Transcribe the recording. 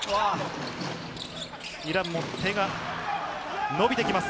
イランも手が伸びてきます。